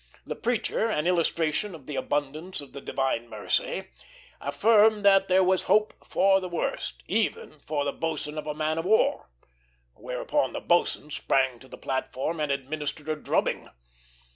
The preacher, in illustration of the abundance of the Divine mercy, affirmed that there was hope for the worst, even for the boatswain of a man of war; whereupon the boatswain sprang to the platform and administered a drubbing.